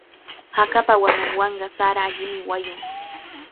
Hakapa wanunwanqa sara allimi wayun.